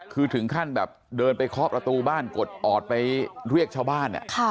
คือถึงขั้นแบบเดินไปเคาะประตูบ้านกดออดไปเรียกชาวบ้าน